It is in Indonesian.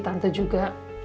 ya tante juga kepikiran